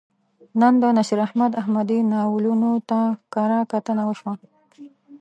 نن د نصیر احمد احمدي ناولونو ته کرهکتنه وشوه.